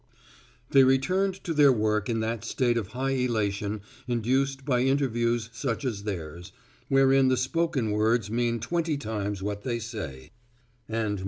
They returned to their work in that state of high elation induced by interviews such as theirs, wherein the spoken words mean twenty times what they say and more.